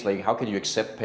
bagaimana anda bisa menerima